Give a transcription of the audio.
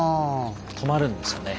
止まるんですよね